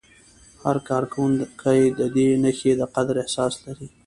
هر کارکوونکی د دې نښې د قدر احساس لري.